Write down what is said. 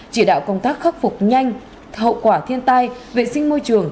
chỉ đạo công tác khắc phục nhanh hậu quả thiên tai vệ sinh môi trường